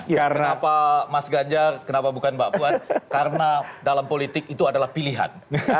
kenapa mas ganjar kenapa bukan mbak puan karena dalam politik itu adalah pilihan